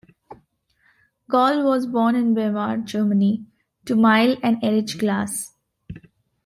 Gal was born in Weimar, Germany to Mile and Erich Glas.